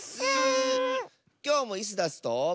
きょうもイスダスと。